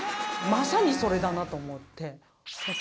まさにそれだなと思って。